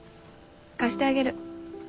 貸してあげる。